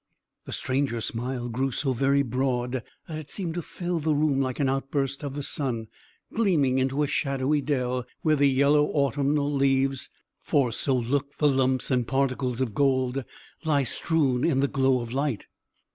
The stranger's smile grew so very broad, that it seemed to fill the room like an outburst of the sun, gleaming into a shadowy dell, where the yellow autumnal leaves for so looked the lumps and particles of gold lie strewn in the glow of light.